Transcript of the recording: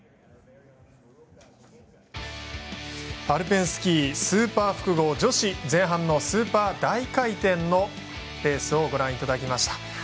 アルペンスキースーパー複合女子前半のスーパー大回転のレースをご覧いただきました。